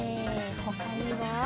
ほかには？